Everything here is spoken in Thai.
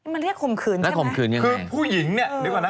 มันเรียกข่มขืนใช่ไหมคือผู้หญิงเนี่ยเดี๋ยวก่อนนะ